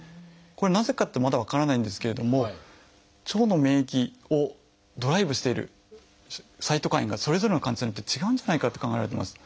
これなぜかってまだ分からないんですけれども腸の免疫ドライブしているサイトカインがそれぞれの患者さんによって違うんじゃないかって考えられてます。